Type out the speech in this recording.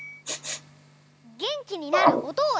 げんきになるおとをだす！